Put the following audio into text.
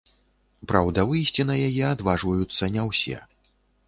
Праўда, выйсці на яе адважваюцца не ўсе.